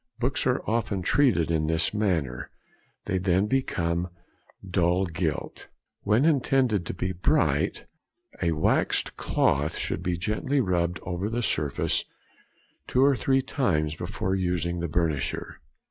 Books are often treated in this manner, they then become "dull gilt." When intended to be bright, a waxed cloth should be gently rubbed over the surface two or three times before using the burnisher.